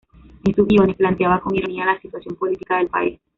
En sus guiones planteaba con ironía la situación política del país.